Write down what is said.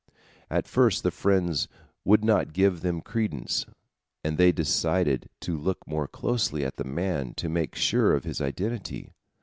At first the friends would not give them credence, and they decided to look more closely at the man, to make sure of his identity.